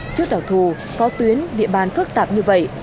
trước đặc thù có tuyến địa bàn phức tạp như vậy